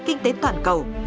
kinh tế toàn cầu